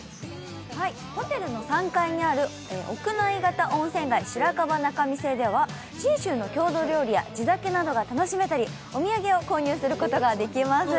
ホテルの３階にある屋内型温泉街しらかば仲見世では、信州の郷土料理やお酒を楽しんだりお土産を購入することができます。